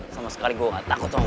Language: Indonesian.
sama sekali gue gak takut